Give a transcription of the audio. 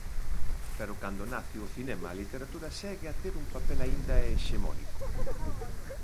Pero cando nace o cinema, a literatura segue a ter un papel aínda hexemónico.